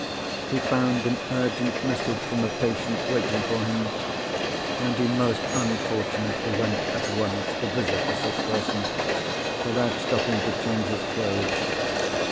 He found an urgent message from a patient, waiting for him; and he most unfortunately went at once to visit the sick person, without stopping to change his clothes.